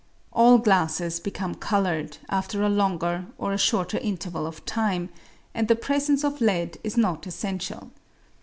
All glasses become coloured after a longer or a shorter interval of time, and the presence of lead is not essential.